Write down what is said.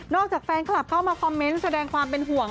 จากแฟนคลับเข้ามาคอมเมนต์แสดงความเป็นห่วง